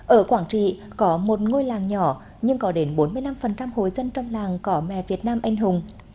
ở quảng trị có một ngôi làng nhỏ nhưng có đến bốn mươi năm hồi dân trong làng cỏ mẹ việt nam anh hùng